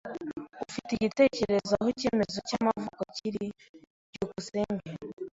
Ufite igitekerezo aho icyemezo cyamavuko kiri? byukusenge